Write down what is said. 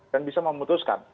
dan bisa memutuskan